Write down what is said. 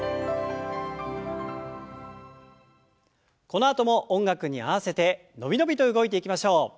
このあとも音楽に合わせて伸び伸びと動いていきましょう。